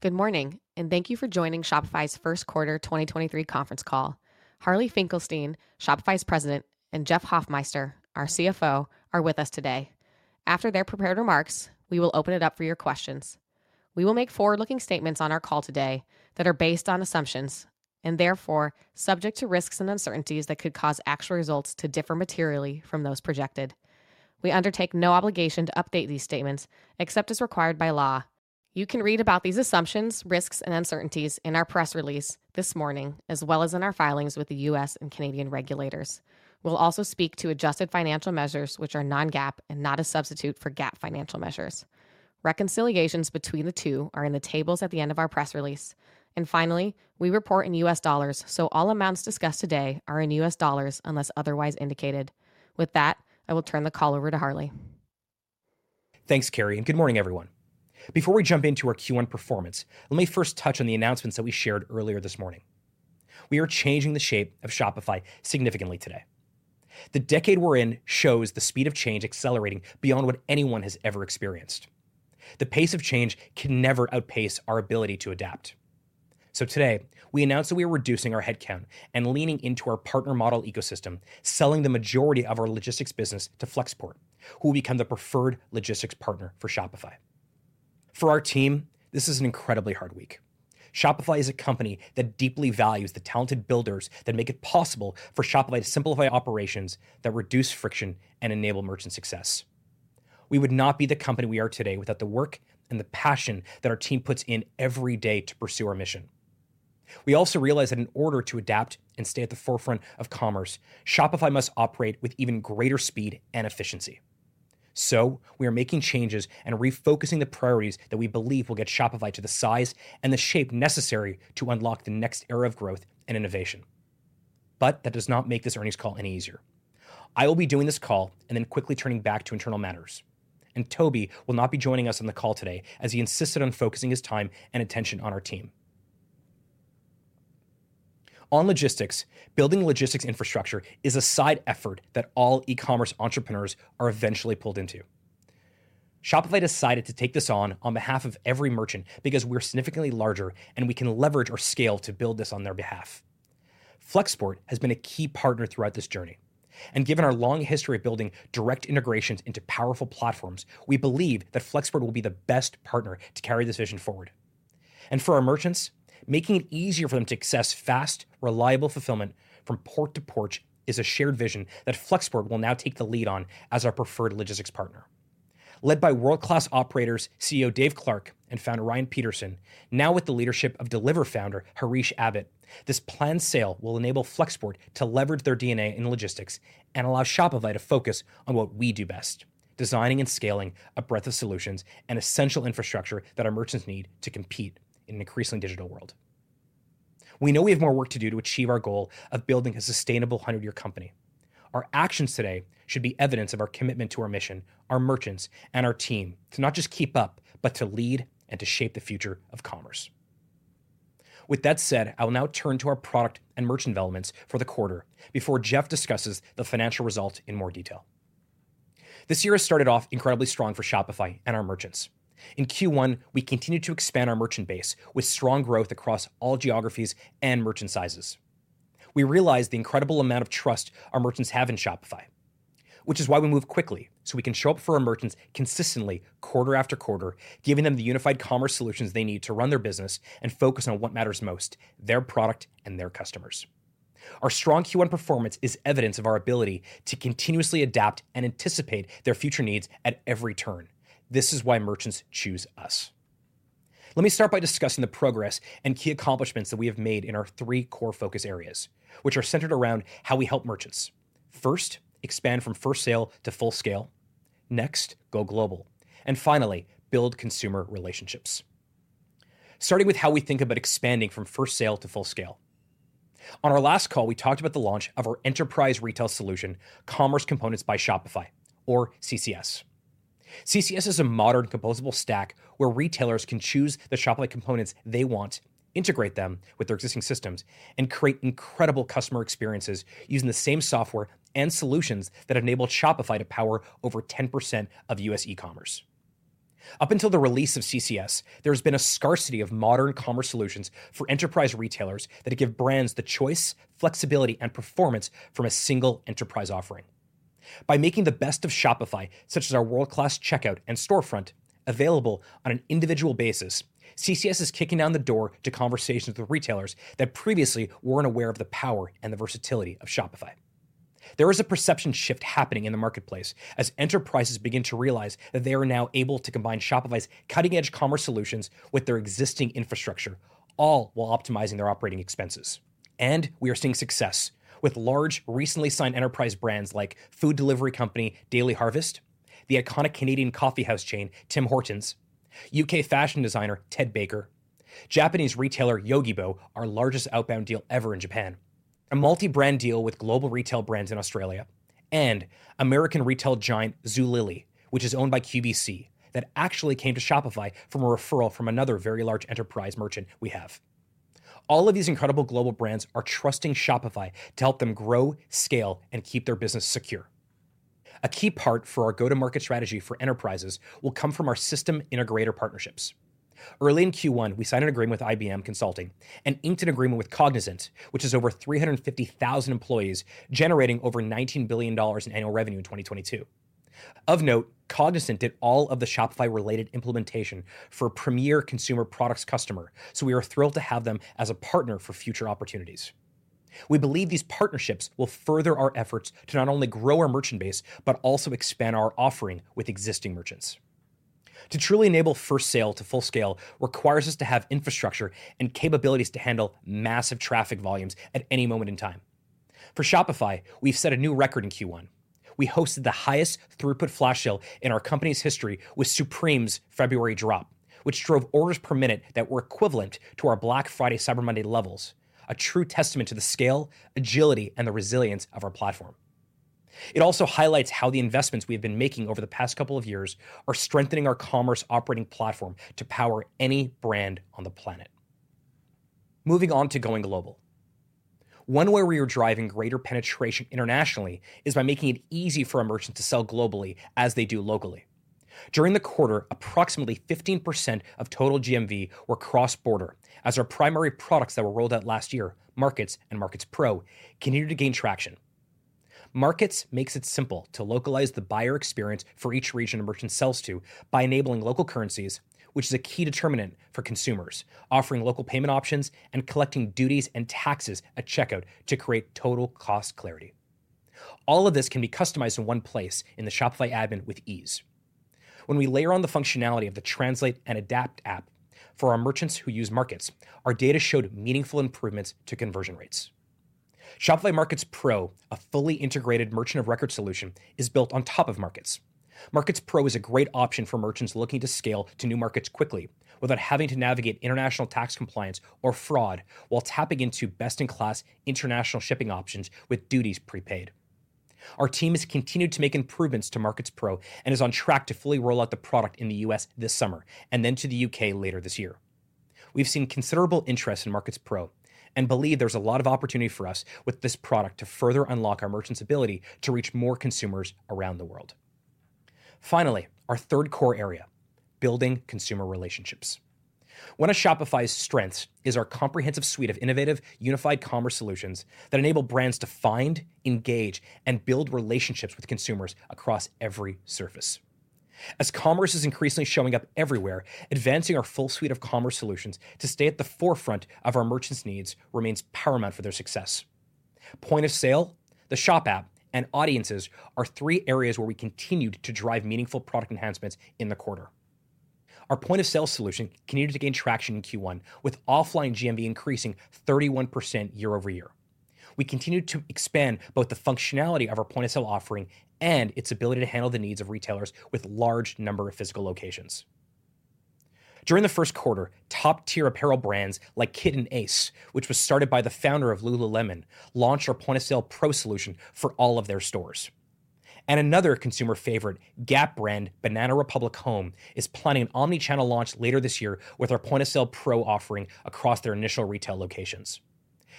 Good morning. Thank you for joining Shopify's first quarter 2023 conference call. Harley Finkelstein, Shopify's President, and Jeff Hoffmeister, our CFO, are with us today. After their prepared remarks, we will open it up for your questions. We will make forward-looking statements on our call today that are based on assumptions, and therefore subject to risks and uncertainties that could cause actual results to differ materially from those projected. We undertake no obligation to update these statements except as required by law. You can read about these assumptions, risks, and uncertainties in our press release this morning, as well as in our filings with the U.S. and Canadian regulators. We'll also speak to adjusted financial measures, which are non-GAAP and not a substitute for GAAP financial measures. Reconciliations between the two are in the tables at the end of our press release. Finally, we report in U.S. dollars, so all amounts discussed today are in U.S. dollars unless otherwise indicated. With that, I will turn the call over to Harley. Thanks, Carrie. Good morning, everyone. Before we jump into our Q1 performance, let me first touch on the announcements that we shared earlier this morning. We are changing the shape of Shopify significantly today. The decade we're in shows the speed of change accelerating beyond what anyone has ever experienced. The pace of change can never outpace our ability to adapt. Today, we announced that we are reducing our headcount and leaning into our partner model ecosystem, selling the majority of our logistics business to Flexport, who will become the preferred logistics partner for Shopify. For our team, this is an incredibly hard week. Shopify is a company that deeply values the talented builders that make it possible for Shopify to simplify operations that reduce friction and enable merchant success. We would not be the company we are today without the work and the passion that our team puts in every day to pursue our mission. We also realize that in order to adapt and stay at the forefront of commerce, Shopify must operate with even greater speed and efficiency. We are making changes and refocusing the priorities that we believe will get Shopify to the size and the shape necessary to unlock the next era of growth and innovation. That does not make this earnings call any easier. I will be doing this call and then quickly turning back to internal matters. Tobi will not be joining us on the call today as he insisted on focusing his time and attention on our team. On logistics, building logistics infrastructure is a side effort that all e-commerce entrepreneurs are eventually pulled into. Shopify decided to take this on on behalf of every merchant because we're significantly larger, and we can leverage our scale to build this on their behalf. Flexport has been a key partner throughout this journey, and given our long history of building direct integrations into powerful platforms, we believe that Flexport will be the best partner to carry this vision forward. For our merchants, making it easier for them to access fast, reliable fulfillment from port to porch is a shared vision that Flexport will now take the lead on as our preferred logistics partner. Led by world-class operators, CEO Dave Clark and founder Ryan Petersen, now with the leadership of Deliverr founder Harish Abbott, this planned sale will enable Flexport to leverage their DNA in logistics and allow Shopify to focus on what we do best, designing and scaling a breadth of solutions and essential infrastructure that our merchants need to compete in an increasingly digital world. We know we have more work to do to achieve our goal of building a sustainable 100-year company. Our actions today should be evidence of our commitment to our mission, our merchants, and our team to not just keep up, but to lead and to shape the future of commerce. With that said, I will now turn to our product and merchant developments for the quarter before Jeff discusses the financial results in more detail. This year has started off incredibly strong for Shopify and our merchants. In Q1, we continued to expand our merchant base with strong growth across all geographies and merchant sizes. We realize the incredible amount of trust our merchants have in Shopify, which is why we move quickly, so we can show up for our merchants consistently quarter after quarter, giving them the unified commerce solutions they need to run their business and focus on what matters most, their product and their customers. Our strong Q1 performance is evidence of our ability to continuously adapt and anticipate their future needs at every turn. This is why merchants choose us. Let me start by discussing the progress and key accomplishments that we have made in our three core focus areas, which are centered around how we help merchants first expand from first sale to full scale, next, go global, and finally, build consumer relationships. Starting with how we think about expanding from first sale to full scale. On our last call, we talked about the launch of our enterprise retail solution, Commerce Components by Shopify, or CCS. CCS is a modern composable stack where retailers can choose the Shopify components they want, integrate them with their existing systems, and create incredible customer experiences using the same software and solutions that enabled Shopify to power over 10% of U.S. e-commerce. Up until the release of CCS, there has been a scarcity of modern commerce solutions for enterprise retailers that give brands the choice, flexibility, and performance from a single enterprise offering. By making the best of Shopify, such as our world-class checkout and storefront, available on an individual basis, CCS is kicking down the door to conversations with retailers that previously weren't aware of the power and the versatility of Shopify. There is a perception shift happening in the marketplace as enterprises begin to realize that they are now able to combine Shopify's cutting-edge commerce solutions with their existing infrastructure, all while optimizing their operating expenses. We are seeing success with large, recently signed enterprise brands like food delivery company Daily Harvest, the iconic Canadian coffee house chain Tim Hortons, U.K. fashion designer Ted Baker, Japanese retailer Yogibo, our largest outbound deal ever in Japan, a multi-brand deal with global retail brands in Australia, and American retail giant Zulily, which is owned by QVC, that actually came to Shopify from a referral from another very large enterprise merchant we have. All of these incredible global brands are trusting Shopify to help them grow, scale, and keep their business secure. A key part for our go-to-market strategy for enterprises will come from our system integrator partnerships. Early in Q1, we signed an agreement with IBM Consulting and inked an agreement with Cognizant, which has over 350,000 employees generating over $19 billion in annual revenue in 2022. Of note, Cognizant did all of the Shopify-related implementation for premier consumer products customer. We are thrilled to have them as a partner for future opportunities. We believe these partnerships will further our efforts to not only grow our merchant base, but also expand our offering with existing merchants. To truly enable first sale to full scale requires us to have infrastructure and capabilities to handle massive traffic volumes at any moment in time. For Shopify, we've set a new record in Q1. We hosted the highest throughput flash sale in our company's history with Supreme's February drop, which drove orders per minute that were equivalent to our Black Friday, Cyber Monday levels, a true testament to the scale, agility, and the resilience of our platform. It also highlights how the investments we have been making over the past couple of years are strengthening our commerce operating platform to power any brand on the planet. Moving on to going global. One way we are driving greater penetration internationally is by making it easy for a merchant to sell globally as they do locally. During the quarter, approximately 15% of total GMV were cross-border, as our primary products that were rolled out last year, Markets and Markets Pro, continued to gain traction. Markets makes it simple to localize the buyer experience for each region a merchant sells to by enabling local currencies, which is a key determinant for consumers, offering local payment options, and collecting duties and taxes at checkout to create total cost clarity. All of this can be customized in one place in the Shopify admin with ease. When we layer on the functionality of the Translate & Adapt app for our merchants who use Markets, our data showed meaningful improvements to conversion rates. Shopify Markets Pro, a fully integrated merchant of record solution, is built on top of Markets. Markets Pro is a great option for merchants looking to scale to new markets quickly without having to navigate international tax compliance or fraud while tapping into best-in-class international shipping options with duties prepaid. Our team has continued to make improvements to Markets Pro and is on track to fully roll out the product in the U.S. this summer and then to the U.K. later this year. We've seen considerable interest in Markets Pro and believe there's a lot of opportunity for us with this product to further unlock our merchants' ability to reach more consumers around the world. Finally, our third core area, building consumer relationships. One of Shopify's strengths is our comprehensive suite of innovative, unified commerce solutions that enable brands to find, engage, and build relationships with consumers across every surface. As commerce is increasingly showing up everywhere, advancing our full suite of commerce solutions to stay at the forefront of our merchants' needs remains paramount for their success. Point-of-sale, the Shop app, and Audiences are three areas where we continued to drive meaningful product enhancements in the quarter. Our point-of-sale solution continued to gain traction in Q1, with offline GMV increasing 31% year-over-year. We continued to expand both the functionality of our point-of-sale offering and its ability to handle the needs of retailers with large number of physical locations. During the first quarter, top-tier apparel brands like Kit and Ace, which was started by the founder of lululemon, launched our Point of Sale Pro solution for all of their stores. Another consumer favorite, Gap brand BR Home, is planning an omnichannel launch later this year with our Point of Sale Pro offering across their initial retail locations.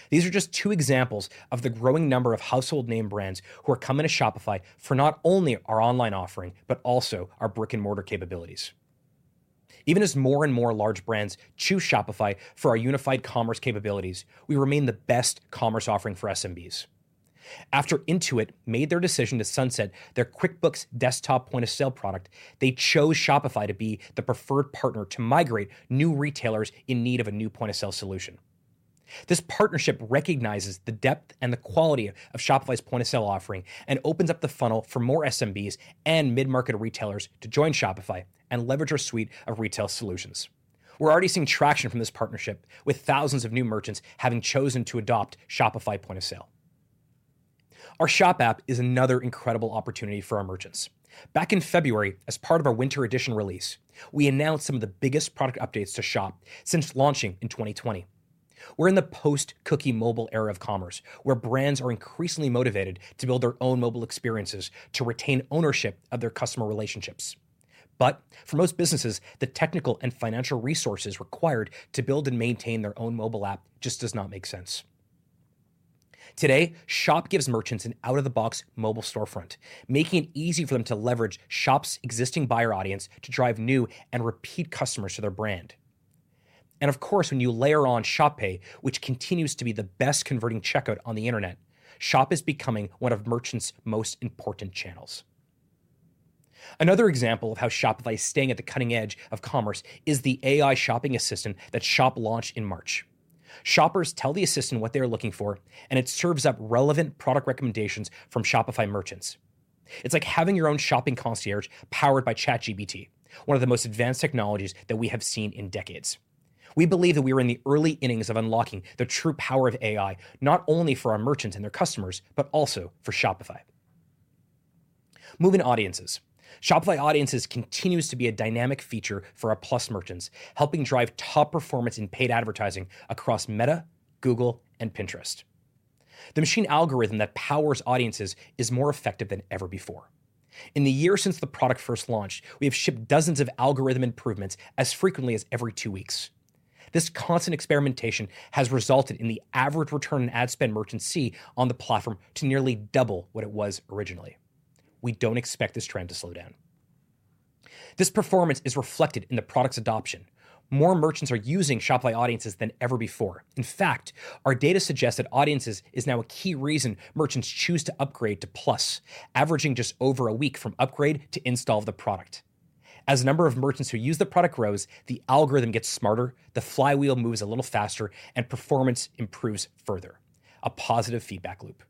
These are just two examples of the growing number of household name brands who are coming to Shopify for not only our online offering, but also our brick-and-mortar capabilities. Even as more and more large brands choose Shopify for our unified commerce capabilities, we remain the best commerce offering for SMBs. After Intuit made their decision to sunset their QuickBooks Desktop Point of Sale product, they chose Shopify to be the preferred partner to migrate new retailers in need of a new point-of-sale solution. This partnership recognizes the depth and the quality of Shopify's point-of-sale offering and opens up the funnel for more SMBs and mid-market retailers to join Shopify and leverage our suite of retail solutions. We're already seeing traction from this partnership with thousands of new merchants having chosen to adopt Shopify Point of Sale. Our Shop app is another incredible opportunity for our merchants. Back in February, as part of our Winter Edition release, we announced some of the biggest product updates to Shop since launching in 2020. We're in the post-cookie mobile era of commerce, where brands are increasingly motivated to build their own mobile experiences to retain ownership of their customer relationships. For most businesses, the technical and financial resources required to build and maintain their own mobile app just does not make sense. Today, Shop gives merchants an out-of-the-box mobile storefront, making it easy for them to leverage Shop's existing buyer audience to drive new and repeat customers to their brand. Of course, when you layer on Shop Pay, which continues to be the best converting checkout on the internet, Shop is becoming one of merchants' most important channels. Another example of how Shopify is staying at the cutting edge of commerce is the AI shopping assistant that Shop launched in March. Shoppers tell the assistant what they are looking for, and it serves up relevant product recommendations from Shopify merchants. It's like having your own shopping concierge powered by ChatGPT, one of the most advanced technologies that we have seen in decades. We believe that we are in the early innings of unlocking the true power of AI, not only for our merchants and their customers, but also for Shopify. Moving Audiences. Shopify Audiences continues to be a dynamic feature for our Plus merchants, helping drive top performance in paid advertising across Meta, Google, and Pinterest. The machine algorithm that powers Audiences is more effective than ever before. In the year since the product first launched, we have shipped dozens of algorithm improvements as frequently as every two weeks. This constant experimentation has resulted in the average return on ad spend merchants see on the platform to nearly double what it was originally. We don't expect this trend to slow down. This performance is reflected in the product's adoption. More merchants are using Shopify Audiences than ever before. In fact, our data suggests that Audiences is now a key reason merchants choose to upgrade to Plus, averaging just over a week from upgrade to install of the product. As the number of merchants who use the product grows, the algorithm gets smarter, the flywheel moves a little faster, and performance improves further. A positive feedback loop.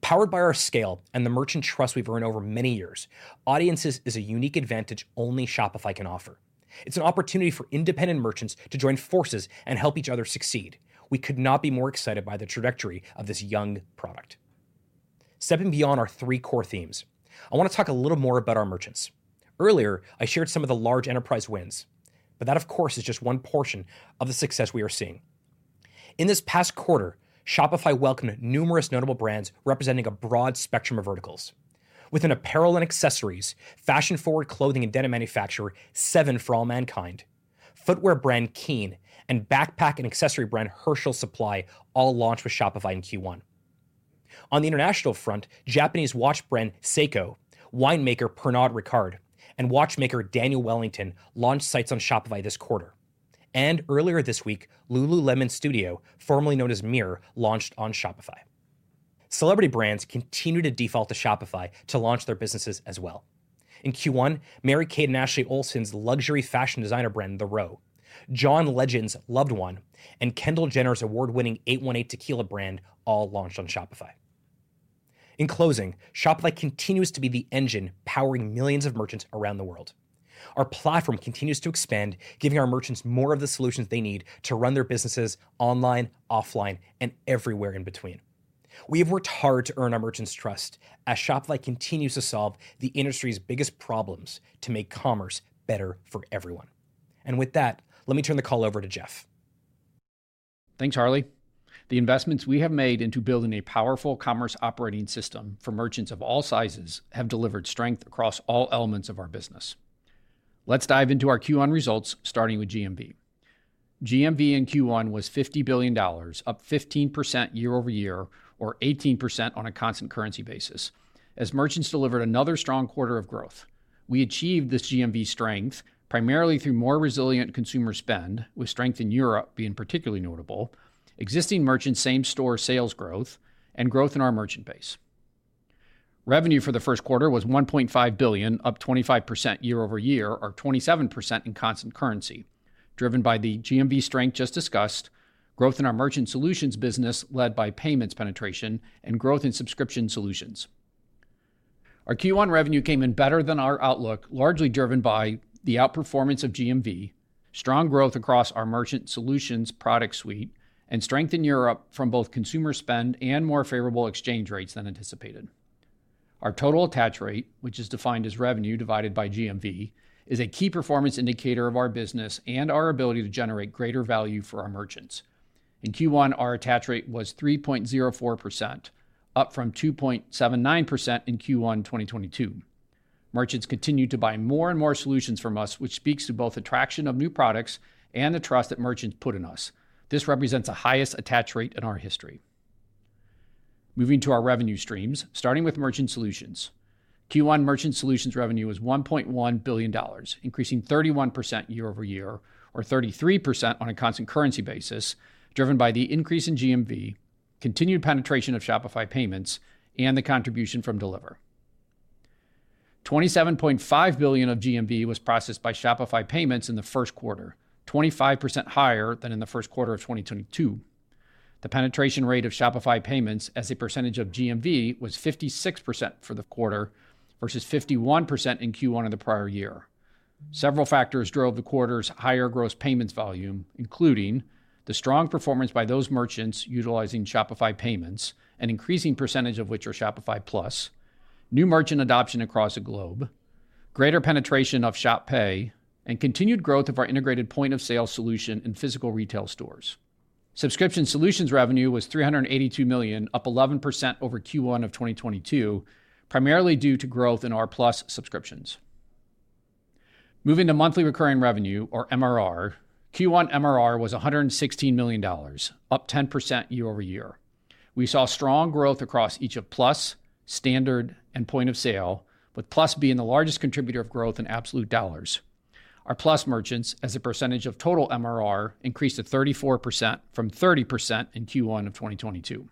Powered by our scale and the merchant trust we've earned over many years, Audiences is a unique advantage only Shopify can offer. It's an opportunity for independent merchants to join forces and help each other succeed. We could not be more excited by the trajectory of this young product. Stepping beyond our three core themes, I want to talk a little more about our merchants. Earlier, I shared some of the large enterprise wins, but that of course is just one portion of the success we are seeing. In this past quarter, Shopify welcomed numerous notable brands representing a broad spectrum of verticals. Within apparel and accessories, fashion-forward clothing and denim manufacturer seven For All Mankind, footwear brand KEEN, and backpack and accessory brand Herschel Supply all launched with Shopify in Q1. On the international front, Japanese watch brand Seiko, winemaker Pernod Ricard, and watchmaker Daniel Wellington launched sites on Shopify this quarter. And earlier this week, lululemon Studio, formerly known as Mirror, launched on Shopify. Celebrity brands continue to default to Shopify to launch their businesses as well. In Q1, Mary-Kate and Ashley Olsen's luxury fashion designer brand The Row, John Legend's Loved01, and Kendall Jenner's award-winning 818 Tequila brand all launched on Shopify. In closing, Shopify continues to be the engine powering millions of merchants around the world. Our platform continues to expand, giving our merchants more of the solutions they need to run their businesses online, offline, and everywhere in between. We have worked hard to earn our merchants' trust as Shopify continues to solve the industry's biggest problems to make commerce better for everyone. With that, let me turn the call over to Jeff. Thanks, Harley. The investments we have made into building a powerful commerce operating system for merchants of all sizes have delivered strength across all elements of our business. Let's dive into our Q1 results, starting with GMV. GMV in Q1 was $50 billion, up 15% year-over-year or 18% on a constant currency basis. As merchants delivered another strong quarter of growth, we achieved this GMV strength primarily through more resilient consumer spend, with strength in Europe being particularly notable, existing merchant same-store sales growth, and growth in our merchant base. Revenue for the first quarter was $1.5 billion, up 25% year-over-year or 27% in constant currency, driven by the GMV strength just discussed, growth in our merchant solutions business led by payments penetration, and growth in subscription solutions. Our Q1 revenue came in better than our outlook, largely driven by the outperformance of GMV, strong growth across our merchant solutions product suite, and strength in Europe from both consumer spend and more favorable exchange rates than anticipated. Our total attach rate, which is defined as revenue divided by GMV, is a key performance indicator of our business and our ability to generate greater value for our merchants. In Q1, our attach rate was 3.04%, up from 2.79% in Q1 2022. Merchants continued to buy more and more solutions from us, which speaks to both attraction of new products and the trust that merchants put in us. This represents the highest attach rate in our history. Moving to our revenue streams, starting with merchant solutions. Q1 merchant solutions revenue was $1.1 billion, increasing 31% year-over-year or 33% on a constant currency basis, driven by the increase in GMV, continued penetration of Shopify Payments, and the contribution from Deliverr. $27.5 billion of GMV was processed by Shopify Payments in the first quarter, 25% higher than in the first quarter of 2022. The penetration rate of Shopify Payments as a percentage of GMV was 56% for the quarter versus 51% in Q1 of the prior year. Several factors drove the quarter's higher gross payments volume, including the strong performance by those merchants utilizing Shopify Payments, an increasing percentage of which are Shopify Plus, new merchant adoption across the globe, greater penetration of Shop Pay, and continued growth of our integrated point-of-sale solution in physical retail stores. Subscription solutions revenue was $382 million, up 11% over Q1 of 2022, primarily due to growth in our Plus subscriptions. Moving to monthly recurring revenue or MRR, Q1 MRR was $116 million, up 10% year-over-year. We saw strong growth across each of Plus, Standard, and Point of Sale, with Plus being the largest contributor of growth in absolute dollars. Our Plus merchants, as a percentage of total MRR, increased to 34% from 30% in Q1 of 2022.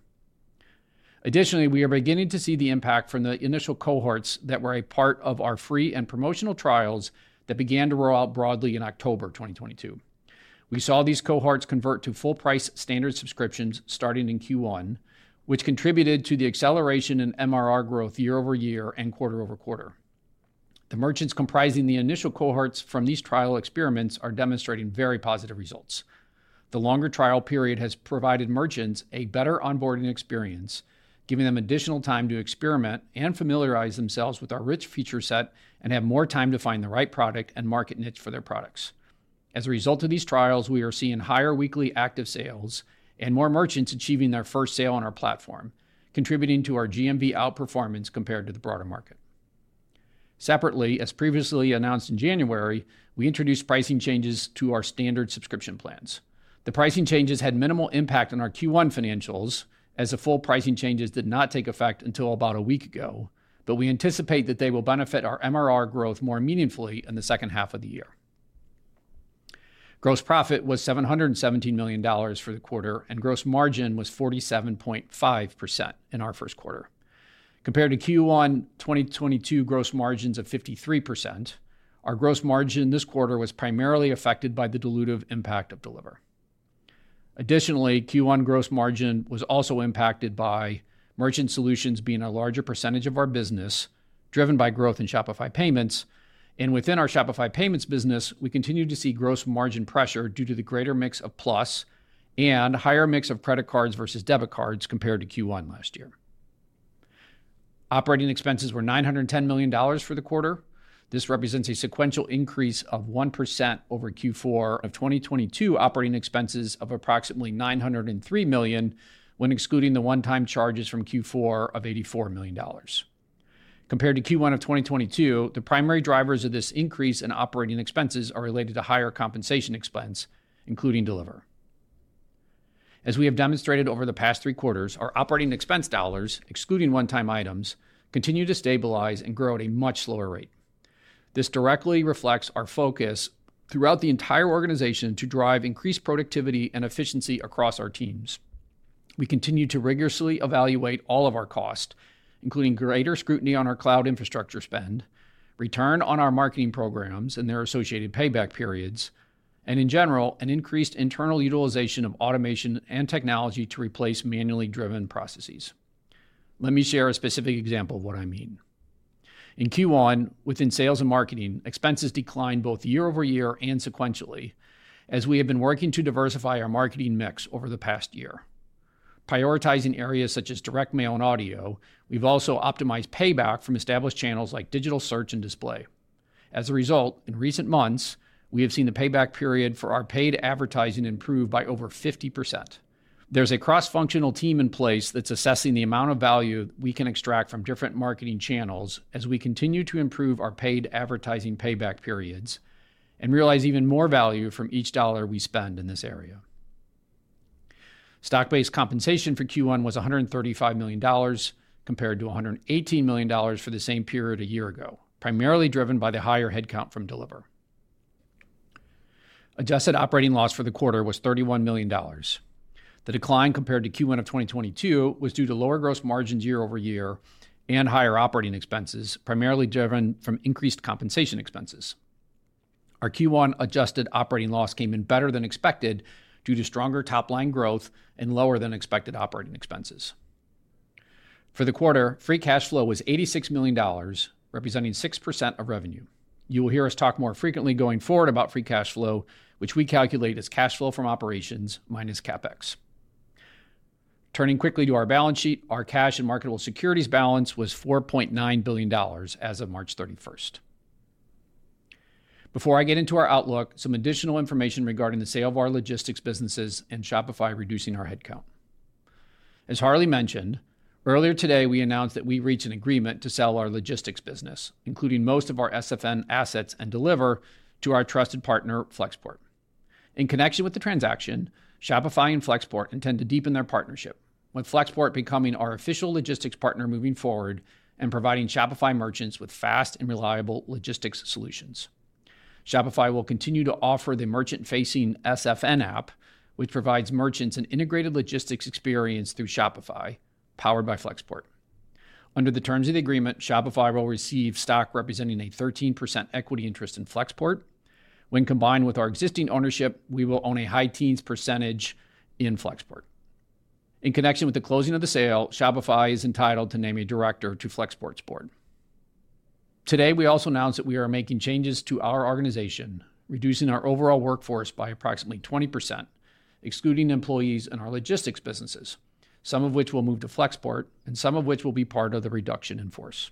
We are beginning to see the impact from the initial cohorts that were a part of our free and promotional trials that began to roll out broadly in October 2022. We saw these cohorts convert to full-price standard subscriptions starting in Q1, which contributed to the acceleration in MRR growth year-over-year and quarter-over-quarter. The merchants comprising the initial cohorts from these trial experiments are demonstrating very positive results. The longer trial period has provided merchants a better onboarding experience, giving them additional time to experiment and familiarize themselves with our rich feature set and have more time to find the right product and market niche for their products. As a result of these trials, we are seeing higher weekly active sales and more merchants achieving their first sale on our platform, contributing to our GMV outperformance compared to the broader market. Separately, as previously announced in January, we introduced pricing changes to our standard subscription plans. The pricing changes had minimal impact on our Q1 financials as the full pricing changes did not take effect until about a week ago, but we anticipate that they will benefit our MRR growth more meaningfully in the second half of the year. Gross profit was $717 million for the quarter, and gross margin was 47.5% in our first quarter. Compared to Q1 2022 gross margins of 53%, our gross margin this quarter was primarily affected by the dilutive impact of Deliverr. Additionally, Q1 gross margin was also impacted by merchant solutions being a larger percentage of our business, driven by growth in Shopify Payments, and within our Shopify Payments business, we continue to see gross margin pressure due to the greater mix of Plus and higher mix of credit cards versus debit cards compared to Q1 last year. Operating expenses were $910 million for the quarter. This represents a sequential increase of 1% over Q4 of 2022 operating expenses of approximately $903 million when excluding the one-time charges from Q4 of $84 million. Compared to Q1 of 2022, the primary drivers of this increase in operating expenses are related to higher compensation expense, including Deliverr. As we have demonstrated over the past three quarters, our operating expense dollars, excluding one-time items, continue to stabilize and grow at a much slower rate. This directly reflects our focus throughout the entire organization to drive increased productivity and efficiency across our teams. We continue to rigorously evaluate all of our costs, including greater scrutiny on our cloud infrastructure spend, return on our marketing programs and their associated payback periods, in general, an increased internal utilization of automation and technology to replace manually driven processes. Let me share a specific example of what I mean. In Q1, within sales and marketing, expenses declined both year-over-year and sequentially as we have been working to diversify our marketing mix over the past year. Prioritizing areas such as direct mail and audio, we've also optimized payback from established channels like digital search and display. As a result, in recent months, we have seen the payback period for our paid advertising improve by over 50%. There's a cross-functional team in place that's assessing the amount of value we can extract from different marketing channels as we continue to improve our paid advertising payback periods and realize even more value from each dollar we spend in this area. Stock-based compensation for Q1 was $135 million compared to $118 million for the same period a year ago, primarily driven by the higher headcount from Deliverr. Adjusted operating loss for the quarter was $31 million. The decline compared to Q1 of 2022 was due to lower gross margins year-over-year and higher operating expenses, primarily driven from increased compensation expenses. Our Q1 adjusted operating loss came in better than expected due to stronger top-line growth and lower-than-expected operating expenses. For the quarter, free cash flow was $86 million, representing 6% of revenue. You will hear us talk more frequently going forward about free cash flow, which we calculate as CapEx. Turning quickly to our balance sheet, our cash and marketable securities balance was $4.9 billion as of March 31st. Before I get into our outlook, some additional information regarding the sale of our logistics businesses and Shopify reducing our headcount. As Harley mentioned, earlier today we announced that we reached an agreement to sell our logistics business, including most of our SFN assets and Deliverr, to our trusted partner, Flexport. In connection with the transaction, Shopify and Flexport intend to deepen their partnership, with Flexport becoming our official logistics partner moving forward and providing Shopify merchants with fast and reliable logistics solutions. Shopify will continue to offer the merchant-facing SFN app, which provides merchants an integrated logistics experience through Shopify, powered by Flexport. Under the terms of the agreement, Shopify will receive stock representing a 13% equity interest in Flexport. When combined with our existing ownership, we will own a high teens % in Flexport. In connection with the closing of the sale, Shopify is entitled to name a director to Flexport's board. Today, we also announced that we are making changes to our organization, reducing our overall workforce by approximately 20%, excluding employees in our logistics businesses, some of which will move to Flexport and some of which will be part of the reduction in force.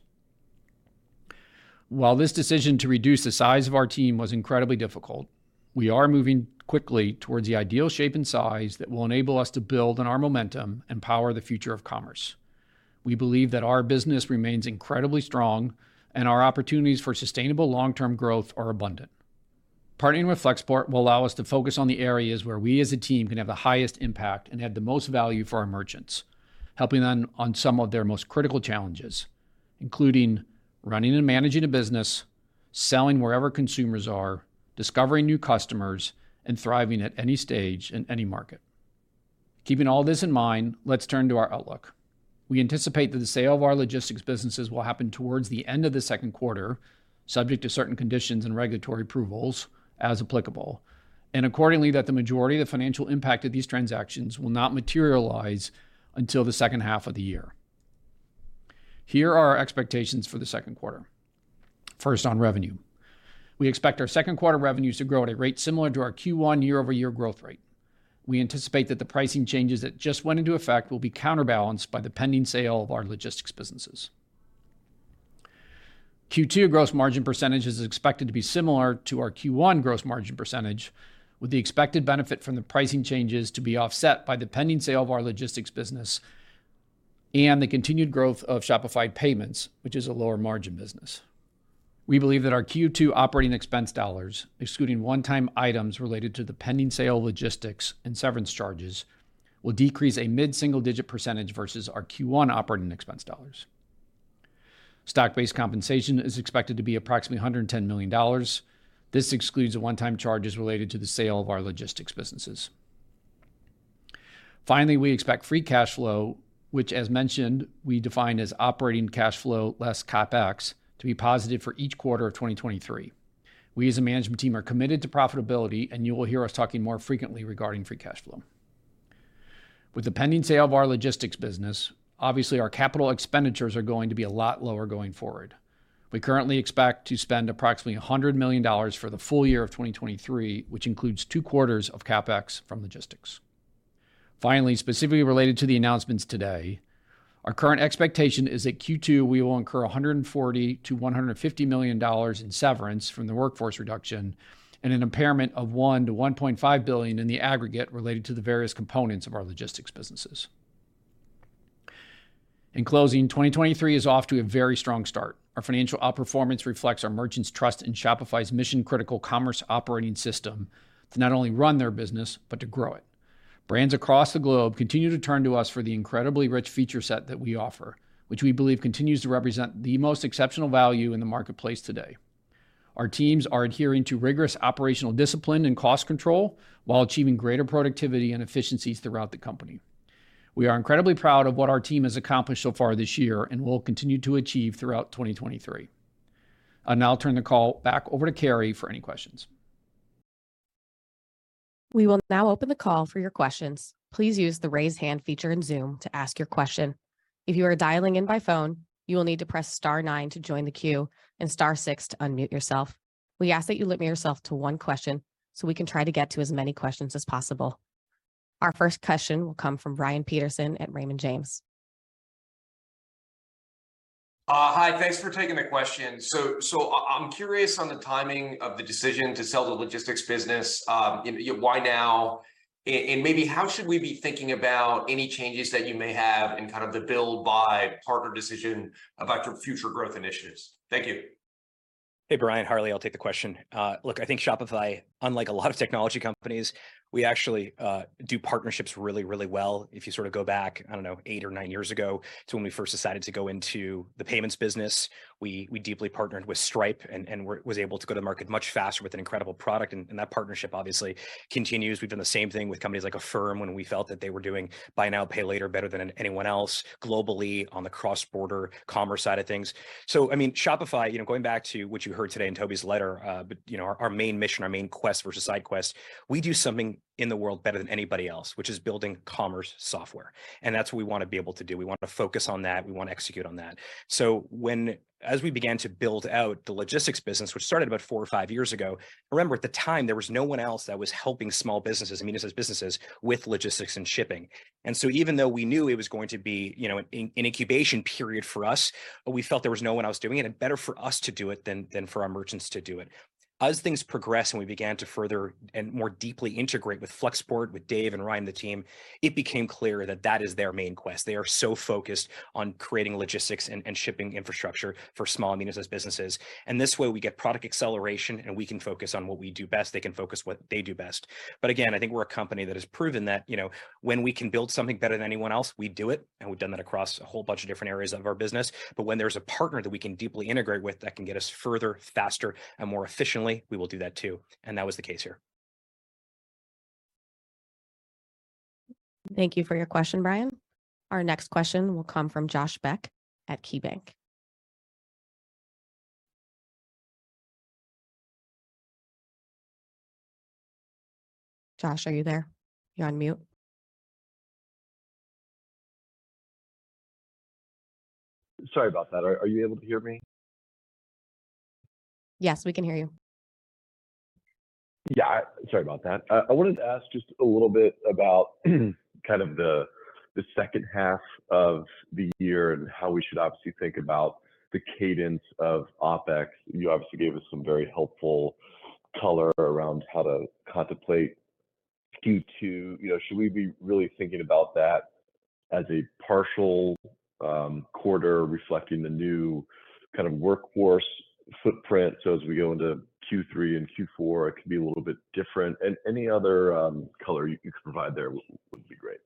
While this decision to reduce the size of our team was incredibly difficult, we are moving quickly towards the ideal shape and size that will enable us to build on our momentum and power the future of commerce. We believe that our business remains incredibly strong and our opportunities for sustainable long-term growth are abundant. Partnering with Flexport will allow us to focus on the areas where we as a team can have the highest impact and add the most value for our merchants, helping on some of their most critical challenges, including running and managing a business, selling wherever consumers are, discovering new customers, and thriving at any stage in any market. Keeping all this in mind, let's turn to our outlook. We anticipate that the sale of our logistics businesses will happen towards the end of the second quarter, subject to certain conditions and regulatory approvals as applicable, and accordingly, that the majority of the financial impact of these transactions will not materialize until the second half of the year. Here are our expectations for the second quarter. First, on revenue. We expect our second quarter revenues to grow at a rate similar to our Q1 year-over-year growth rate. We anticipate that the pricing changes that just went into effect will be counterbalanced by the pending sale of our logistics businesses. Q2 gross margin percentage is expected to be similar to our Q1 gross margin percentage, with the expected benefit from the pricing changes to be offset by the pending sale of our logistics business and the continued growth of Shopify Payments, which is a lower margin business. We believe that our Q2 operating expense dollars, excluding one-time items related to the pending sale of logistics and severance charges, will decrease a mid-single-digit percentage versus our Q1 operating expense dollars. Stock-based compensation is expected to be approximately $110 million. This excludes the one-time charges related to the sale of our logistics businesses. Finally, we expect free cash flow, which, as mentioned, we define as operating cash flow less CapEx, to be positive for each quarter of 2023. We as a management team are committed to profitability. You will hear us talking more frequently regarding free cash flow. With the pending sale of our logistics business, obviously, our capital expenditures are going to be a lot lower going forward. We currently expect to spend approximately $100 million for the full year of 2023, which includes two quarters of CapEx from logistics. Finally, specifically related to the announcements today, our current expectation is that Q2, we will incur $140 million-$150 million in severance from the workforce reduction and an impairment of $1 billion-$1.5 billion in the aggregate related to the various components of our logistics businesses. In closing, 2023 is off to a very strong start. Our financial outperformance reflects our merchants' trust in Shopify's mission-critical commerce operating system to not only run their business but to grow it. Brands across the globe continue to turn to us for the incredibly rich feature set that we offer, which we believe continues to represent the most exceptional value in the marketplace today. Our teams are adhering to rigorous operational discipline and cost control while achieving greater productivity and efficiencies throughout the company. We are incredibly proud of what our team has accomplished so far this year and will continue to achieve throughout 2023. I'll now turn the call back over to Carrie for any questions. We will now open the call for your questions. Please use the Raise Hand feature in Zoom to ask your question. If you are dialing in by phone, you will need to press star nine to join the queue and star six to unmute yourself. We ask that you limit yourself to one question so we can try to get to as many questions as possible. Our first question will come from Brian Peterson at Raymond James. Hi. Thanks for taking the question. I'm curious on the timing of the decision to sell the logistics business. Why now? Maybe how should we be thinking about any changes that you may have in kind of the build by partner decision about your future growth initiatives? Thank you. Hey, Brian. Harley, I'll take the question. Look, I think Shopify, unlike a lot of technology companies, we actually, do partnerships really, really well. If you sort of go back, I don't know, eight or nine years ago to when we first decided to go into the payments business, we deeply partnered with Stripe and was able to go to market much faster with an incredible product, and that partnership obviously continues. We've done the same thing with companies like Affirm when we felt that they were doing buy now, pay later better than anyone else globally on the cross-border commerce side of things. I mean, Shopify, you know, going back to what you heard today in Tobi's letter, but, you know, our main mission, our main quest versus side quest, we do something in the world better than anybody else, which is building commerce software, and that's what we want to be able to do. We want to focus on that. We want to execute on that. As we began to build out the logistics business, which started about four or five years ago, remember at the time, there was no one else that was helping small businesses and medium-size businesses with logistics and shipping. Even though we knew it was going to be, you know, an incubation period for us, we felt there was no one else doing it and better for us to do it than for our merchants to do it. As things progressed and we began to further and more deeply integrate with Flexport, with Dave and Ryan, the team, it became clear that that is their main quest. They are so focused on creating logistics and shipping infrastructure for small and medium-size businesses. This way, we get product acceleration, and we can focus on what we do best. They can focus what they do best. Again, I think we're a company that has proven that, you know, when we can build something better than anyone else, we do it, and we've done that across a whole bunch of different areas of our business. When there's a partner that we can deeply integrate with that can get us further, faster, and more efficiently, we will do that too, and that was the case here. Thank you for your question, Brian. Our next question will come from Josh Beck at KeyBanc. Josh, are you there? You're on mute. Sorry about that. Are you able to hear me? Yes, we can hear you. Yeah. Sorry about that. I wanted to ask just a little bit about kind of the second half of the year and how we should obviously think about the cadence of OpEx. You obviously gave us some very helpful color around how to contemplate Q2. You know, should we be really thinking about that as a partial quarter reflecting the new kind of workforce footprint, so as we go into Q3 and Q4, it could be a little bit different? Any other color you could provide there would be great.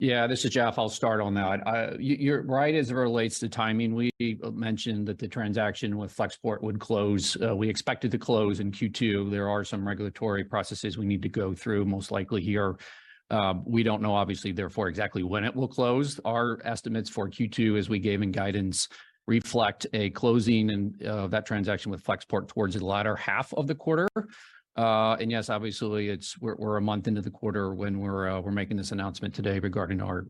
Yeah. This is Jeff. I. You're right as it relates to timing. We mentioned that the transaction with Flexport would close, we expected to close in Q2. There are some regulatory processes we need to go through most likely here. We don't know, obviously, therefore exactly when it will close. Our estimates for Q2, as we gave in guidance, reflect a closing and that transaction with Flexport towards the latter half of the quarter. Yes, obviously it's we're a month into the quarter when we're making this announcement today regarding our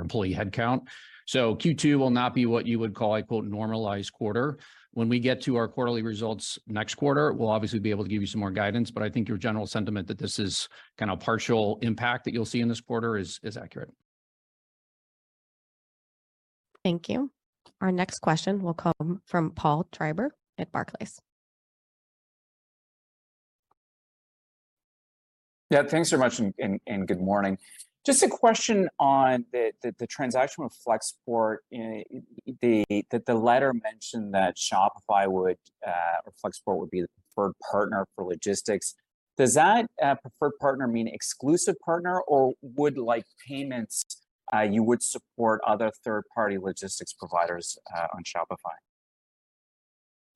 employee headcount. Q2 will not be what you would call a, quote, "normalized quarter." When we get to our quarterly results next quarter, we'll obviously be able to give you some more guidance, but I think your general sentiment that this is kind of partial impact that you'll see in this quarter is accurate. Thank you. Our next question will come from Paul Treiber at Barclays. Yeah, thanks so much and good morning. Just a question on the transaction with Flexport. In the letter mentioned that Shopify would, or Flexport would be the preferred partner for logistics. Does that preferred partner mean exclusive partner, or would, like payments, you would support other third-party logistics providers on Shopify?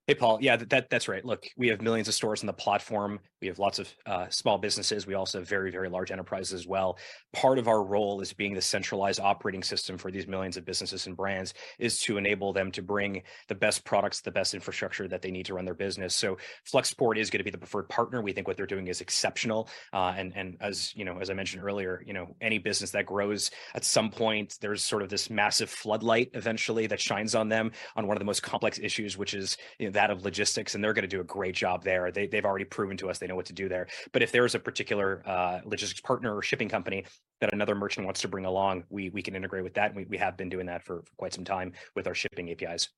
Hey, Paul. Yeah, that's right. Look, we have millions of stores on the platform. We have lots of small businesses. We also have very, very large enterprises as well. Part of our role is being the centralized operating system for these millions of businesses and brands, is to enable them to bring the best products, the best infrastructure that they need to run their business. Flexport is gonna be the preferred partner. We think what they're doing is exceptional. And as you know, as I mentioned earlier, you know, any business that grows, at some point there's sort of this massive floodlight eventually that shines on them on one of the most complex issues, which is, you know, that of logistics, and they're gonna do a great job there. They've already proven to us they know what to do there. If there is a particular logistics partner or shipping company that another merchant wants to bring along, we can integrate with that, and we have been doing that for quite some time with our shipping APIs.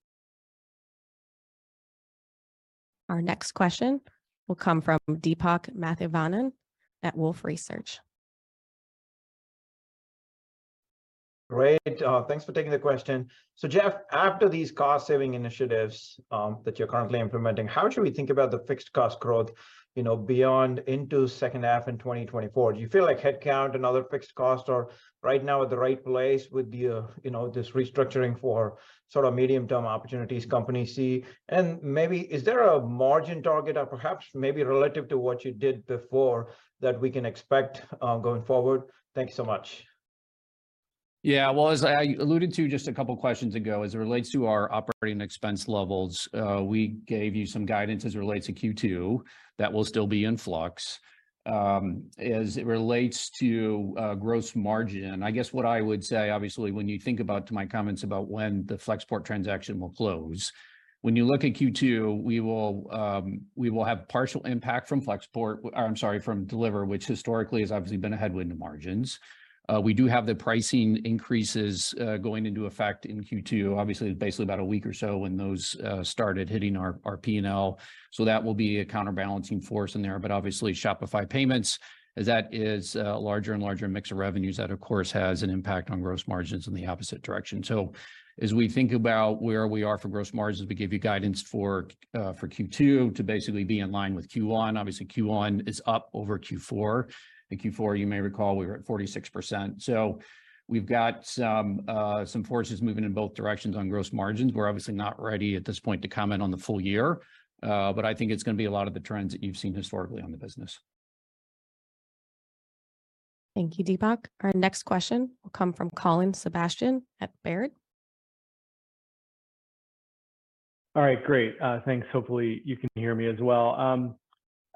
Our next question will come from Deepak Mathivanan at Wolfe Research. Great, thanks for taking the question. Jeff, after these cost-saving initiatives, that you're currently implementing, how should we think about the fixed cost growth, you know, beyond into second half in 2024? Do you feel like headcount and other fixed costs are right now at the right place with the, you know, this restructuring for sort of medium-term opportunities companies see? And maybe is there a margin target or perhaps maybe relative to what you did before that we can expect going forward? Thank you so much. Well, as I alluded to just a couple of questions ago, as it relates to our operating expense levels, we gave you some guidance as it relates to Q2 that will still be in flux. As it relates to gross margin, I guess what I would say obviously when you think about to my comments about when the Flexport transaction will close, when you look at Q2, we will have partial impact from Flexport. I'm sorry, from Deliverr, which historically has obviously been a headwind to margins. We do have the pricing increases going into effect in Q2. Obviously, basically about a week or so when those started hitting our P&L, so that will be a counterbalancing force in there. Obviously, Shopify Payments, as that is a larger and larger mix of revenues, that of course has an impact on gross margins in the opposite direction. As we think about where we are for gross margins, we gave you guidance for Q2 to basically be in line with Q1. Obviously, Q1 is up over Q4. In Q4, you may recall we were at 46%. We've got some forces moving in both directions on gross margins. We're obviously not ready at this point to comment on the full year, but I think it's gonna be a lot of the trends that you've seen historically on the business. Thank you, Deepak. Our next question will come from Colin Sebastian at Baird. All right, great. Thanks. Hopefully, you can hear me as well.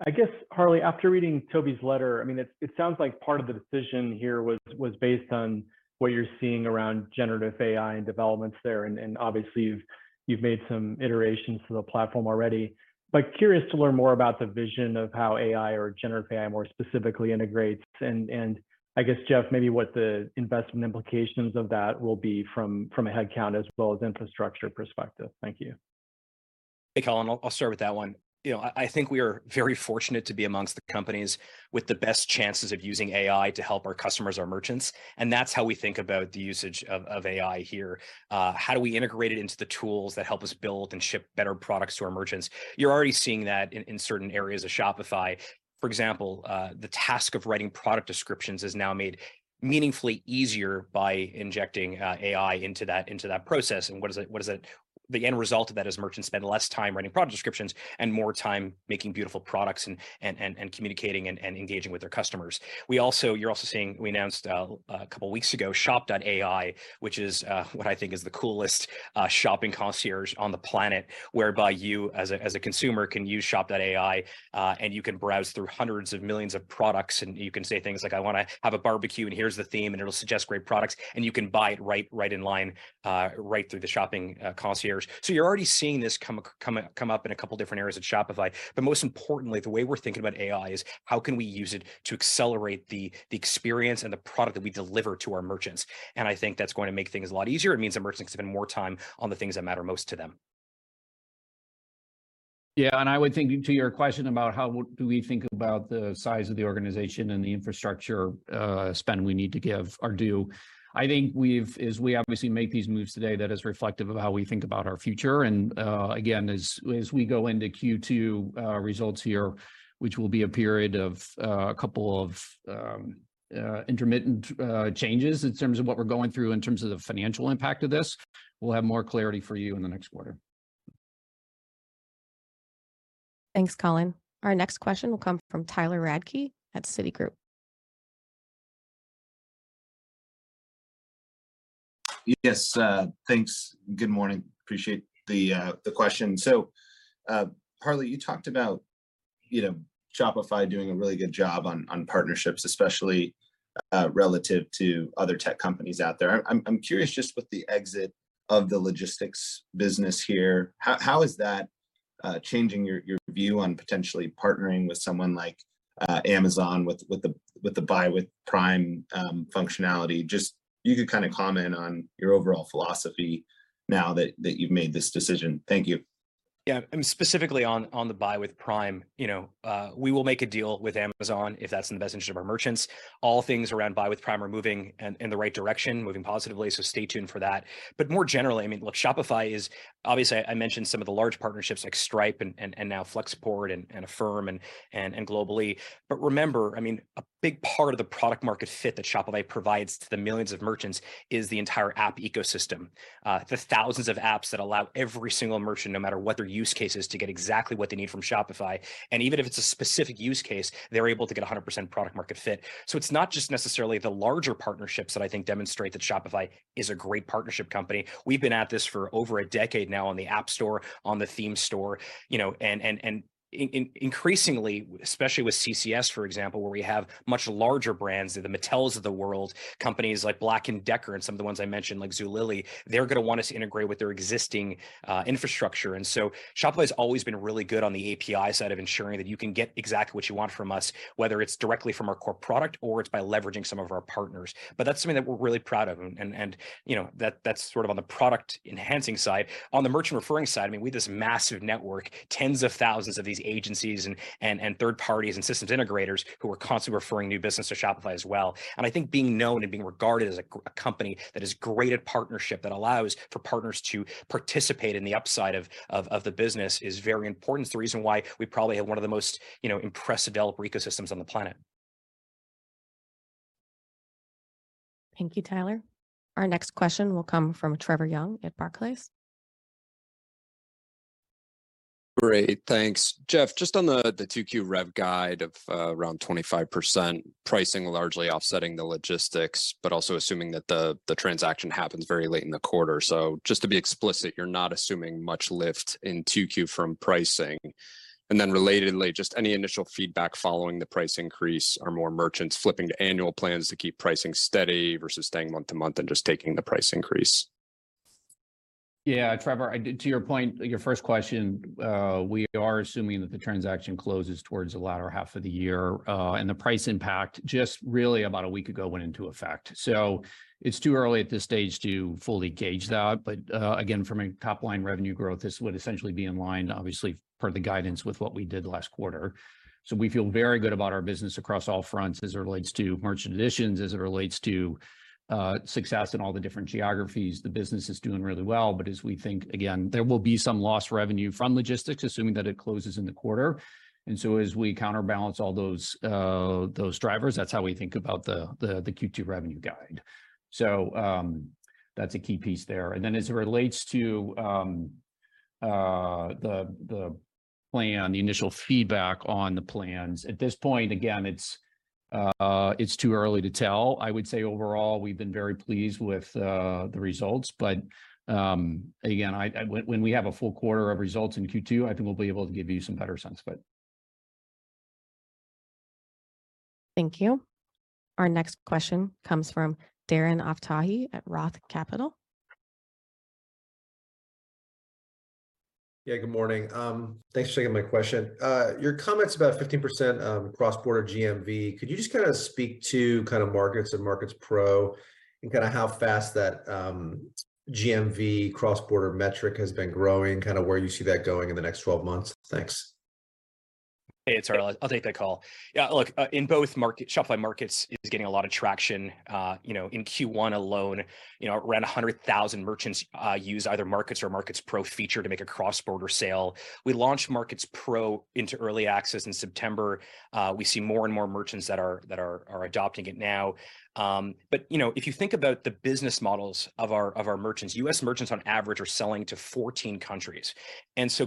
I guess, Harley, after reading Tobi's letter, I mean, it sounds like part of the decision here was based on what you're seeing around generative AI and developments there and obviously you've made some iterations to the platform already. Curious to learn more about the vision of how AI or generative AI more specifically integrates and I guess, Jeff, maybe what the investment implications of that will be from a headcount as well as infrastructure perspective. Thank you. Hey, Colin, I'll start with that one. You know, I think we are very fortunate to be amongst the companies with the best chances of using AI to help our customers, our merchants, and that's how we think about the usage of AI here. How do we integrate it into the tools that help us build and ship better products to our merchants? You're already seeing that in certain areas of Shopify. For example, the task of writing product descriptions is now made meaningfully easier by injecting AI into that, into that process. What does that The end result of that is merchants spend less time writing product descriptions and more time making beautiful products and communicating and engaging with their customers. You're also seeing, we announced a couple of weeks ago, Shop.ai, which is what I think is the coolest shopping concierge on the planet, whereby you as a consumer can use Shop.ai and you can browse through hundreds of millions of products, and you can say things like, "I wanna have a barbecue, and here's the theme," and it'll suggest great products, and you can buy it right in line, right through the shopping concierge. You're already seeing this come up in a couple of different areas at Shopify. Most importantly, the way we're thinking about AI is: How can we use it to accelerate the experience and the product that we deliver to our merchants? I think that's going to make things a lot easier. It means that merchants can spend more time on the things that matter most to them. Yeah, I would think to your question about how do we think about the size of the organization and the infrastructure spend we need to give or do, I think as we obviously make these moves today, that is reflective of how we think about our future and again, as we go into Q2 results here, which will be a period of a couple of intermittent changes in terms of what we're going through in terms of the financial impact of this, we'll have more clarity for you in the next quarter. Thanks, Colin. Our next question will come from Tyler Radke at Citigroup. Thanks. Good morning. Appreciate the question. Harley, you talked about, you know, Shopify doing a really good job on partnerships, especially relative to other tech companies out there. I'm curious, just with the exit of the logistics business here, how is that? changing your view on potentially partnering with someone like Amazon with the Buy with Prime functionality. Just you could kinda comment on your overall philosophy now that you've made this decision. Thank you. Yeah, specifically on the Buy with Prime, you know, we will make a deal with Amazon if that's in the best interest of our merchants. All things around Buy with Prime are moving in the right direction, moving positively, so stay tuned for that. More generally, I mean, look, Shopify is obviously I mentioned some of the large partnerships like Stripe and now Flexport and Affirm and globally. Remember, I mean, a big part of the product market fit that Shopify provides to the millions of merchants is the entire app ecosystem. The thousands of apps that allow every single merchant, no matter what their use case is, to get exactly what they need from Shopify. Even if it's a specific use case, they're able to get 100% product market fit. It's not just necessarily the larger partnerships that I think demonstrate that Shopify is a great partnership company. We've been at this for over a decade now on the App Store, on the Theme Store, you know, and increasingly, especially with CCS, for example, where we have much larger brands, the Mattels of the world, companies like Black & Decker and some of the ones I mentioned like Zulily, they're gonna want us to integrate with their existing infrastructure. Shopify's always been really good on the API side of ensuring that you can get exactly what you want from us, whether it's directly from our core product or it's by leveraging some of our partners. That's something that we're really proud of and, you know, that's sort of on the product enhancing side. On the merchant referring side, I mean, we have this massive network, tens of thousands of these agencies and third parties and systems integrators who are constantly referring new business to Shopify as well. I think being known and being regarded as a company that is great at partnership, that allows for partners to participate in the upside of the business is very important. It's the reason why we probably have one of the most, you know, impressive developer ecosystems on the planet. Thank you, Tyler. Our next question will come from Trevor Young at Barclays. Great, thanks. Jeff, just on the 2Q rev guide of around 25%, pricing largely offsetting the logistics, but also assuming that the transaction happens very late in the quarter. Just to be explicit, you're not assuming much lift in 2Q from pricing? Relatedly, just any initial feedback following the price increase? Are more merchants flipping to annual plans to keep pricing steady versus staying month-to-month and just taking the price increase? Yeah, Trevor, to your point, your first question, we are assuming that the transaction closes towards the latter half of the year. The price impact just really about a week ago went into effect. It's too early at this stage to fully gauge that. Again, from a top-line revenue growth, this would essentially be in line, obviously per the guidance, with what we did last quarter. We feel very good about our business across all fronts as it relates to merchant additions, as it relates to success in all the different geographies. The business is doing really well. As we think, again, there will be some lost revenue from logistics, assuming that it closes in the quarter. As we counterbalance all those drivers, that's how we think about the Q2 revenue guide. That's a key piece there. As it relates to the plan, the initial feedback on the plans, at this point, again, it's too early to tell. I would say overall we've been very pleased with the results. Again, when we have a full quarter of results in Q2, I think we'll be able to give you some better sense, but. Thank you. Our next question comes from Darren Aftahi at ROTH Capital. Yeah, good morning. Thanks for taking my question. Your comments about 15% cross-border GMV, could you just kinda speak to kind of Markets and Markets Pro and kinda how fast that GMV cross-border metric has been growing, kinda where you see that going in the next 12 months? Thanks. Hey, it's Harley, I'll take that call. Yeah, look, in both market, Shopify Markets is getting a lot of traction. you know, in Q1 alone, you know, around 100,000 merchants used either Markets or Markets Pro feature to make a cross-border sale. We launched Markets Pro into early access in September. We see more and more merchants that are adopting it now. you know, if you think about the business models of our merchants, U.S. merchants on average are selling to 14 countries.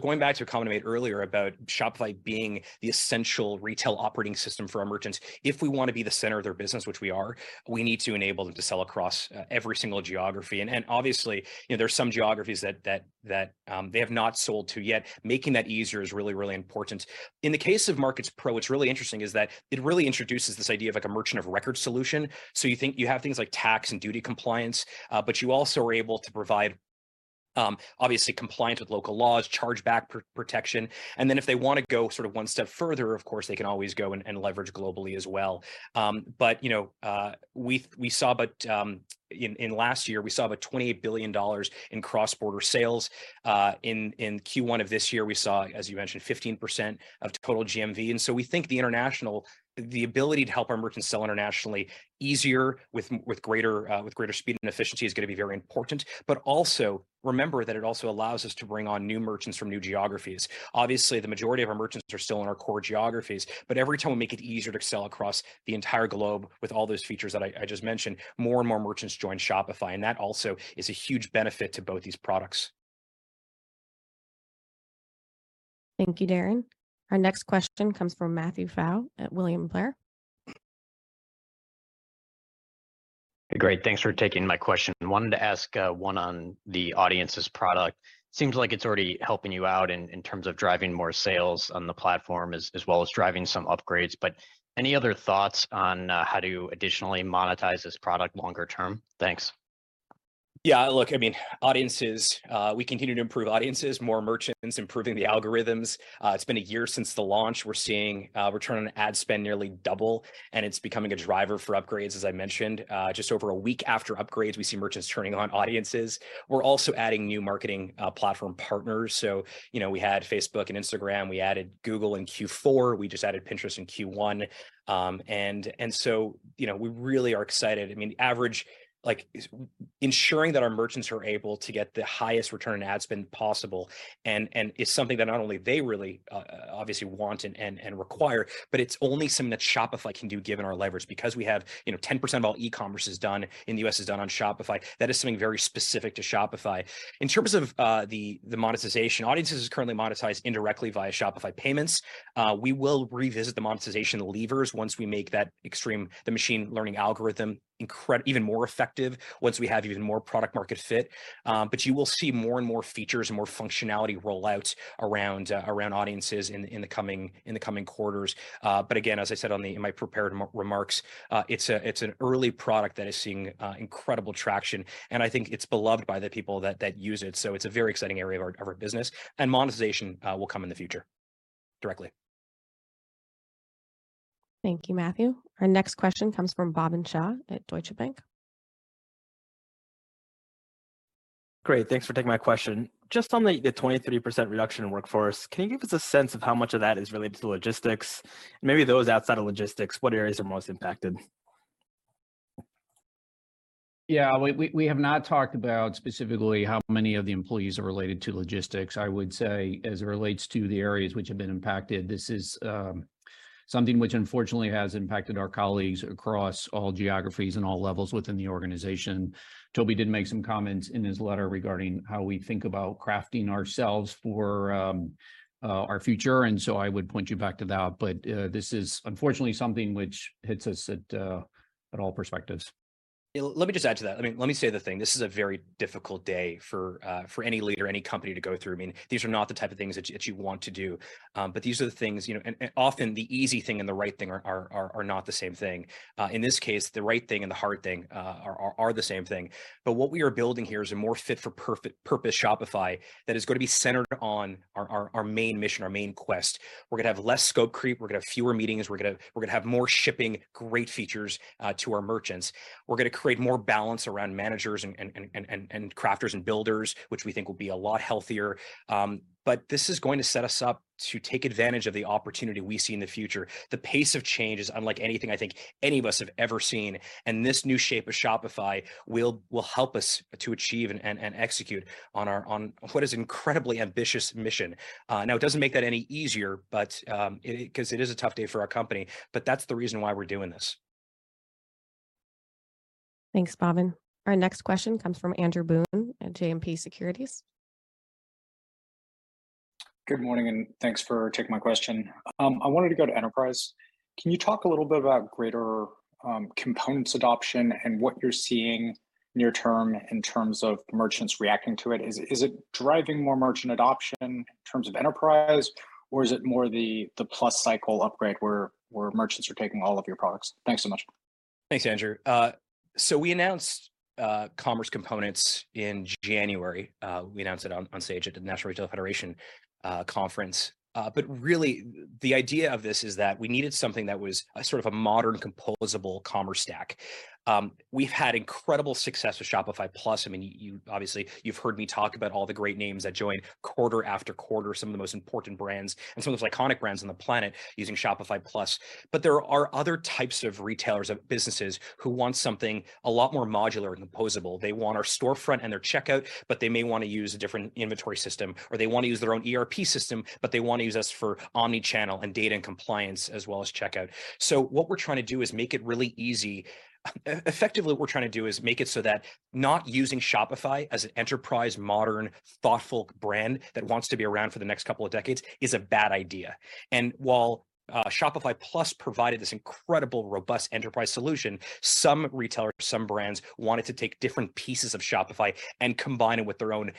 going back to a comment I made earlier about Shopify being the essential retail operating system for our merchants, if we wanna be the center of their business, which we are, we need to enable them to sell across every single geography. Obviously, you know, there are some geographies they have not sold to yet. Making that easier is really, really important. In the case of Markets Pro, what's really interesting is that it really introduces this idea of like a merchant of record solution. You think you have things like tax and duty compliance, but you also are able to provide, obviously compliance with local laws, chargeback protection. Then if they wanna go sort of one step further, of course, they can always go and leverage globally as well. But, you know, we saw about last year, we saw about $28 billion in cross-border sales. In Q1 of this year, we saw, as you mentioned, 15% of total GMV. We think the international, the ability to help our merchants sell internationally easier with greater speed and efficiency is gonna be very important. Also remember that it also allows us to bring on new merchants from new geographies. Obviously, the majority of our merchants are still in our core geographies, but every time we make it easier to sell across the entire globe with all those features that I just mentioned, more and more merchants join Shopify, and that also is a huge benefit to both these products. Thank you, Darren. Our next question comes from Matthew Pfau at William Blair. Great. Thanks for taking my question. Wanted to ask, one on the Shopify Audiences product. Seems like it's already helping you out in terms of driving more sales on the platform as well as driving some upgrades. Any other thoughts on, how to additionally monetize this product longer term? Thanks. Yeah, look, I mean, Audiences, we continue to improve Audiences, more merchants, improving the algorithms. It's been a year since the launch. We're seeing return on ad spend nearly double, and it's becoming a driver for upgrades, as I mentioned. Just over a week after upgrades, we see merchants turning on Audiences. We're also adding new marketing platform partners. You know, we had Facebook and Instagram. We added Google in Q4. We just added Pinterest in Q1. You know, we really are excited. I mean, average, like, ensuring that our merchants are able to get the highest return on ad spend possible and it's something that not only they really, obviously want and require, but it's only something that Shopify can do given our leverage. Because we have, you know, 10% of all e-commerce is done, in the U.S. is done on Shopify, that is something very specific to Shopify. In terms of the monetization, Audiences is currently monetized indirectly via Shopify Payments. We will revisit the monetization levers once we make the machine learning algorithm even more effective once we have even more product-market fit. You will see more and more features and more functionality rollouts around Audiences in the coming, in the coming quarters. Again, as I said on the, in my prepared remarks, it's an early product that is seeing incredible traction, and I think it's beloved by the people that use it. It's a very exciting area of our business. Monetization will come in the future directly. Thank you, Matthew. Our next question comes from Bhavin Shah at Deutsche Bank. Great. Thanks for taking my question. Just on the 23% reduction in workforce, can you give us a sense of how much of that is related to logistics? Maybe those outside of logistics, what areas are most impacted? Yeah. We have not talked about specifically how many of the employees are related to logistics. I would say as it relates to the areas which have been impacted, this is something which unfortunately has impacted our colleagues across all geographies and all levels within the organization. Tobi did make some comments in his letter regarding how we think about crafting ourselves for our future. I would point you back to that. This is unfortunately something which hits us at all perspectives. Yeah, let me just add to that. I mean, let me say the thing, this is a very difficult day for any leader, any company to go through. I mean, these are not the type of things that you want to do. These are the things, you know, and often the easy thing and the right thing are not the same thing. In this case, the right thing and the hard thing are the same thing. What we are building here is a more fit for purpose Shopify that is gonna be centered on our main mission, our main quest. We're gonna have less scope creep. We're gonna have fewer meetings. We're gonna have more shipping great features to our merchants. We're gonna create more balance around managers and crafters and builders, which we think will be a lot healthier. This is going to set us up to take advantage of the opportunity we see in the future. The pace of change is unlike anything I think any of us have ever seen, and this new shape of Shopify will help us to achieve and execute on our, on what is an incredibly ambitious mission. Now, it doesn't make that any easier, but, it, 'cause it is a tough day for our company, but that's the reason why we're doing this. Thanks, Bhavin. Our next question comes from Andrew Boone at JMP Securities. Good morning, thanks for taking my question. I wanted to go to enterprise. Can you talk a little bit about greater Components adoption and what you're seeing near term in terms of merchants reacting to it? Is it driving more merchant adoption in terms of enterprise, or is it more the Plus cycle upgrade where merchants are taking all of your products? Thanks so much. Thanks, Andrew. We announced Commerce Components by Shopify in January. We announced it on stage at the National Retail Federation conference. Really the idea of this is that we needed something that was a sort of a modern composable commerce stack. We've had incredible success with Shopify Plus. I mean, you, obviously you've heard me talk about all the great names that join quarter after quarter, some of the most important brands and some of the iconic brands on the planet using Shopify Plus. There are other types of retailers, of businesses who want something a lot more modular and composable. They want our storefront and their checkout, they may wanna use a different inventory system, or they wanna use their own ERP system, they wanna use us for omni-channel and data and compliance as well as checkout. What we're trying to do is make it really easy. Effectively what we're trying to do is make it so that not using Shopify as an enterprise, modern, thoughtful brand that wants to be around for the next couple of decades is a bad idea. While Shopify Plus provided this incredible, robust enterprise solution, some retailers, some brands wanted to take different pieces of Shopify and combine it with their own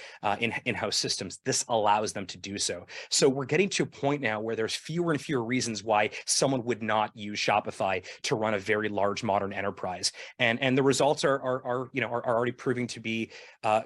in-house systems. This allows them to do so. We're getting to a point now where there's fewer and fewer reasons why someone would not use Shopify to run a very large modern enterprise. The results are, you know, already proving to be,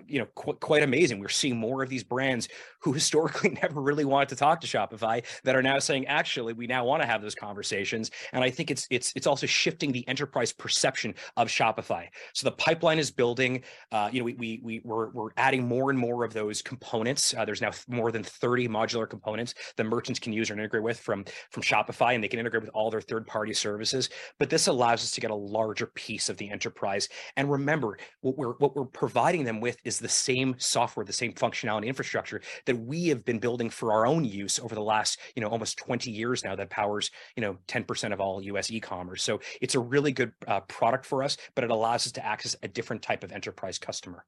you know, quite amazing. We're seeing more of these brands who historically never really wanted to talk to Shopify that are now saying, "Actually, we now wanna have those conversations." I think it's also shifting the enterprise perception of Shopify. The pipeline is building. You know, we're adding more and more of those components. There's now more than 30 modular components that merchants can use or integrate with from Shopify, and they can integrate with all their third-party services. This allows us to get a larger piece of the enterprise. Remember, what we're providing them with is the same software, the same functionality infrastructure that we have been building for our own use over the last, you know, almost 20 years now that powers, you know, 10% of all U.S. e-commerce. It's a really good product for us, but it allows us to access a different type of enterprise customer.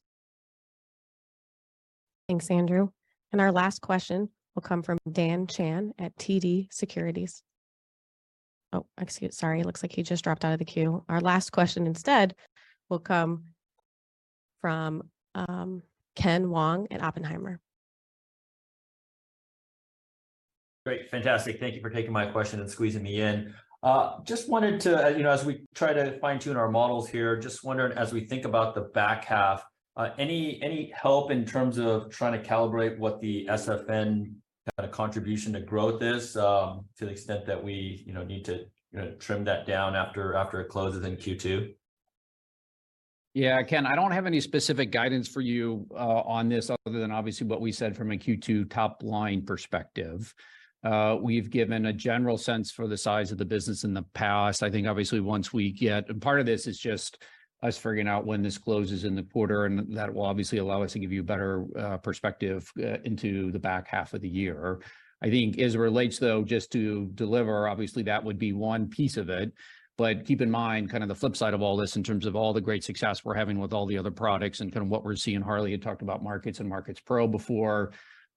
Thanks, Andrew. Our last question will come from Dan Chan at TD Securities. Oh, excuse, sorry. It looks like he just dropped out of the queue. Our last question instead will come from Ken Wong at Oppenheimer Great. Fantastic. Thank you for taking my question and squeezing me in. Just wanted to, you know, as we try to fine-tune our models here, just wondering as we think about the back half, any help in terms of trying to calibrate what the SFN, kind of, contribution to growth is, to the extent that we, you know, need to, you know, trim that down after it closes in Q2? Yeah, Ken, I don't have any specific guidance for you on this other than obviously what we said from a Q2 top line perspective. We've given a general sense for the size of the business in the past. I think obviously once we get... Part of this is just us figuring out when this closes in the quarter, and that will obviously allow us to give you a better perspective into the back half of the year. I think as it relates though, just to Deliverr, obviously that would be one piece of it. Keep in mind kind of the flip side of all this in terms of all the great success we're having with all the other products and kind of what we're seeing, Harley had talked about Markets and Markets Pro before,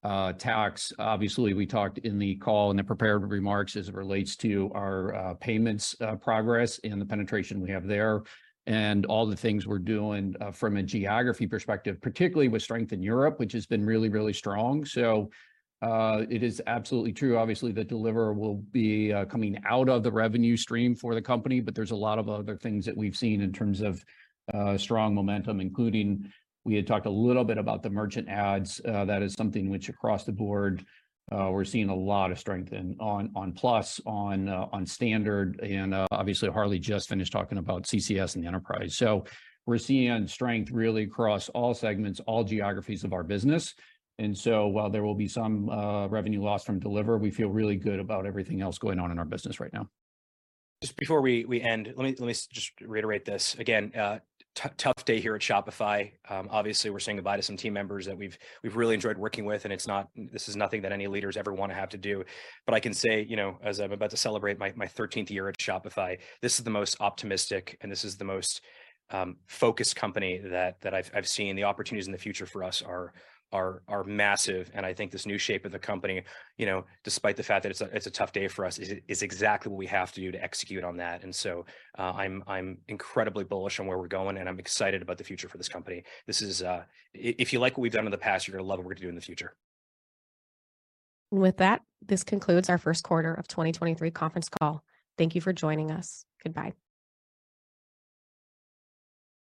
tax. Obviously, we talked in the call, in the prepared remarks as it relates to our payments progress and the penetration we have there, and all the things we're doing from a geography perspective, particularly with strength in Europe, which has been really, really strong. It is absolutely true, obviously, that Deliverr will be coming out of the revenue stream for the company, but there's a lot of other things that we've seen in terms of strong momentum, including, we had talked a little bit about the merchant ads. That is something which across the board, we're seeing a lot of strength in, on Plus, on Standard, and obviously Harley just finished talking about CCS and the Enterprise. We're seeing strength really across all segments, all geographies of our business. While there will be some revenue loss from Deliverr, we feel really good about everything else going on in our business right now. Just before we end, let me just reiterate this. Again, tough day here at Shopify. Obviously we're saying goodbye to some team members that we've really enjoyed working with, and this is nothing that any leaders ever want to have to do. I can say, you know, as I'm about to celebrate my 13th year at Shopify, this is the most optimistic and this is the most focused company that I've seen. The opportunities in the future for us are massive, and I think this new shape of the company, you know, despite the fact that it's a tough day for us, is exactly what we have to do to execute on that. I'm incredibly bullish on where we're going, and I'm excited about the future for this company. This is. If you like what we've done in the past, you're gonna love what we're gonna do in the future. With that, this concludes our 1st quarter of 2023 conference call. Thank you for joining us. Goodbye.